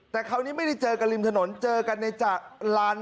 แต่คราวนี้ไม่ได้เจอกันริมถนนเจอกันในลาน